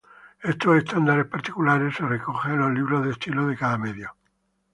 Estos estándares particulares se recogen en los libros de estilo de cada medio.